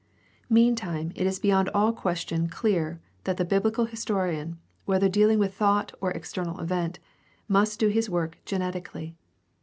Meantime it is beyond all question clear that the biblical historian, whether dealing with thought or external event, must do his work genetically.